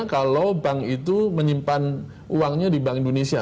kalau bank itu menyimpan uangnya di bank indonesia